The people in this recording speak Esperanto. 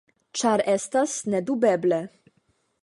Ĉar estas nedubeble.